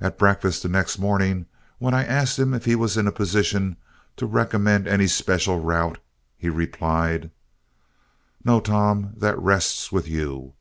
At breakfast the next morning, when I asked him if he was in a position to recommend any special route, he replied: "No, Tom, that rests with you.